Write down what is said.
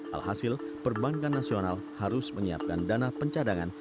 alhasil perbankan nasional harus menyiapkan dana pencadangan